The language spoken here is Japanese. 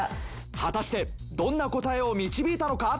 果たしてどんな答えを導いたのか？